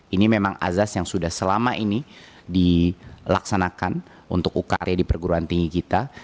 ini memang azas yang sudah selama ini dilaksanakan untuk ukr di perguruan tinggi kita